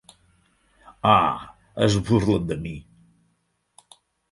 Ah, es burlen de mi.